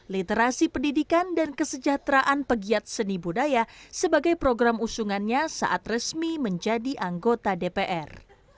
literasi pendidikan dan kesejahteraan pegiat seni budaya sebagai program usungannya saat resmi menjadi anggota dpr